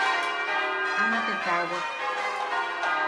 Ama te taawak.